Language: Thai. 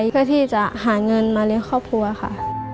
เพื่อที่จะหาเงินมาเลี้ยงครอบครัวค่ะ